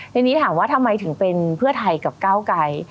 ทีนี้ถามว่าทำไมถึงเป็นเพื่อไทยกับก้าวไกร